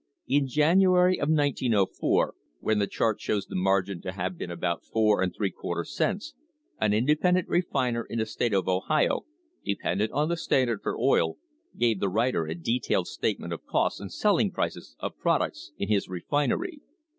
In January of 1904, when the chart shows the margin to have been about four and three quarter cents, an independent refiner in the state of Ohio, dependent on the Standard for oil, gave the writer a detailed statement of costs and selling prices of products in his refinery.